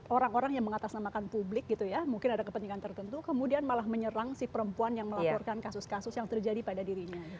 orang orang yang mengatasnamakan publik gitu ya mungkin ada kepentingan tertentu kemudian malah menyerang si perempuan yang melaporkan kasus kasus yang terjadi pada dirinya